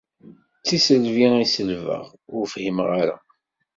D tisselbi i selbeɣ, ur fhimeɣ ara.